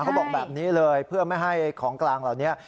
เขาบอกแบบนี้เลยเพื่อไม่ให้ของกลางเหล่านี้